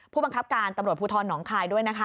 ผู้บังคับการตำรวจภูทรหนองคายด้วยนะคะ